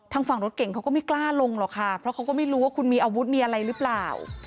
ทางฝั่งรถเก่งเขาก็ไม่กล้าลงหรอกค่ะเพราะเขาก็ไม่รู้ว่าคุณมีอาวุธมีอะไรหรือเปล่า